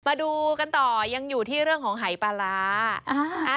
มาดูกันต่อยังอยู่ที่เรื่องของหายปลาร้า